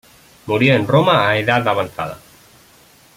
Murió en Roma a edad avanzada.